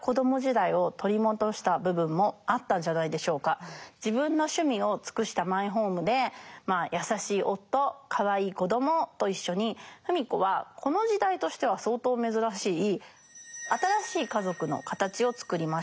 一方芙美子は自分の趣味を尽くしたマイホームで優しい夫かわいい子どもと一緒に芙美子はこの時代としては相当珍しい新しい家族の形をつくりました。